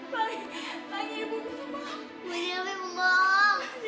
pelangi pelangi ibu membohong